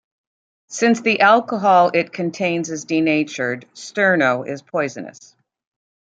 Since the alcohol it contains is denatured, Sterno is poisonous.